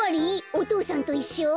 お父さんといっしょ？